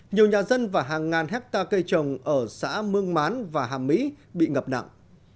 nhiều nhà dân và hàng ngàn hectare cây trồng ở xã mương mán và hàm mỹ bị ngập nặng